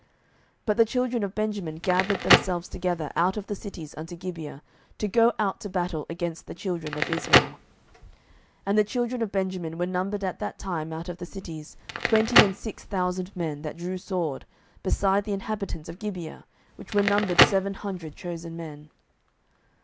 07:020:014 But the children of Benjamin gathered themselves together out of the cities unto Gibeah, to go out to battle against the children of Israel. 07:020:015 And the children of Benjamin were numbered at that time out of the cities twenty and six thousand men that drew sword, beside the inhabitants of Gibeah, which were numbered seven hundred chosen men.